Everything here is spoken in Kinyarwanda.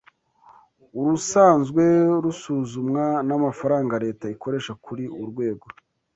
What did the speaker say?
urusanzwe rusuzumwa n’amafaranga leta ikoresha kuri urwego